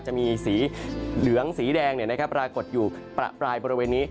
จะมีสีเหลืองสีแดงปรากฏอยู่ประปรายบริเวณนี้